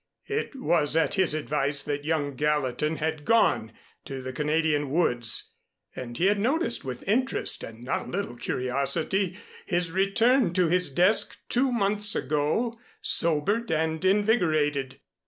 It was at his advice that young Gallatin had gone to the Canadian woods, and he had noted with interest and not a little curiosity his return to his desk two months ago sobered and invigorated.